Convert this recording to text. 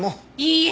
いいえ！